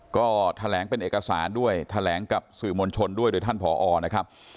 ก็แถลงเป็นเอกสารด้วยแถลงกับสื่อมวลชนด้วยโดยท่านผอนะครับ